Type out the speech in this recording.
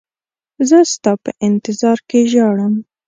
زه ستا په انتظار کې ژاړم.